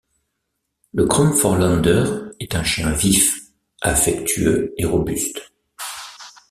Le kromfohrländer est un chien vif affectueux et robuste.